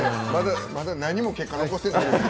まだ何も結果残してない。